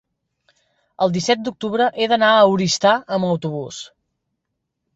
el disset d'octubre he d'anar a Oristà amb autobús.